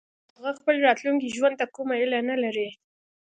هغه خپل راتلونکي ژوند ته کومه هيله نه لري